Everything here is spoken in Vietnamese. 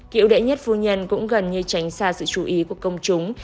kiệu đệ nhất phu nhân cũng gần như tránh xa sự chú ý của công chúng